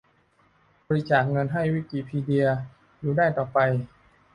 บริจาคเงินให้วิกิพีเดียอยู่ได้ต่อไป